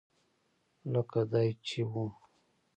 لکه دای چې و.